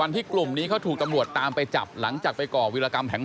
ที่กลุ่มนี้เขาถูกตำรวจตามไปจับหลังจากไปก่อวิรากรรมแห่ง